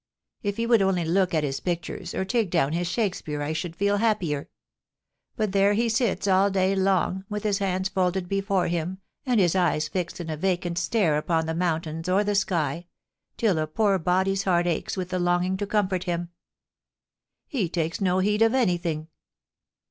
If he would only look at his pictures or take down his Shakespeare I should feel happier ; but there he sits all day long, with his hands folded before him and his eyes fixed in a vacant stare upon the mountains or the sky, till a poor body's heart aches with the longing to comfort him. He takes no heed of anything.